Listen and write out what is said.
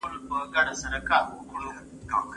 ښوونکی زدهکوونکي د نظر څرګندولو تمرین ته هڅوي.